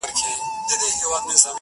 خو ځي مې نۀ د زړۀ لۀ تلۀ بلا